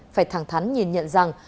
phải thẳng thắn nhìn nhận rằng